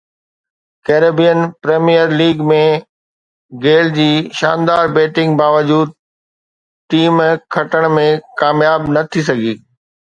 Caribbean Premier League ۾ Gayle جي شاندار batting باوجود ٽيم کٽڻ ۾ ڪامياب نه ٿي سگهي